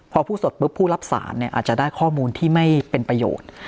พอพูดเสร็จปุ๊บผู้รับสารเนี่ยอาจจะได้ข้อมูลที่ไม่เป็นประโยชน์